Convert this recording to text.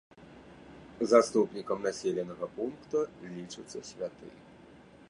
Заступнікам населенага пункта лічыцца святы.